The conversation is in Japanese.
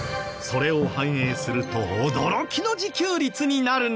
それを反映すると驚きの自給率になるんです。